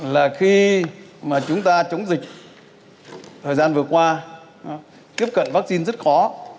là khi mà chúng ta chống dịch thời gian vừa qua tiếp cận vaccine rất khó